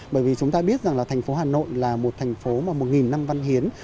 bởi vì chúng ta biết rằng là thành phố hà nội là một thành phố mà một năm văn hiến